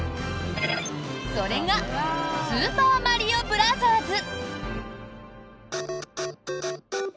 それが「スーパーマリオブラザーズ」。